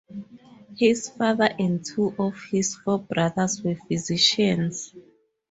His father and two of his four brothers were physicians.